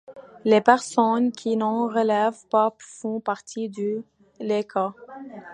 Les personnes qui n'en relèvent pas font partie du laïcat.